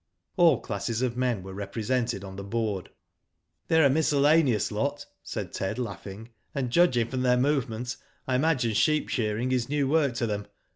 All classes of men were represented on the board. *' They are a miscellaneous lot'' said Ted laughing, and judging from their movements I imagine sheep shearing is new work to them.